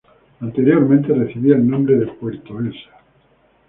Anteriormente recibía el nombre de Puerto Elsa.